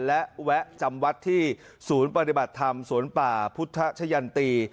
และแวะจำวัดที่ศูนย์ปฏิบัติธรรมสวนป่าพุทธชะยันตี